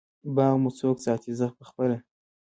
باغ مو څوک ساتی؟ زه پخپله